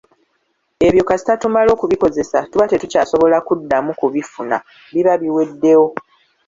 Ebyo kasita tumala okubikozesa, tuba tetukyasobola kuddamu kubifuna, biba biweddewo